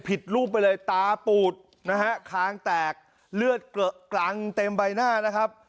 ผิดรูปไปเลยตาปูดนะฮะคางแตกเลือดเกลอะกรังเต็มใบหน้านะครับ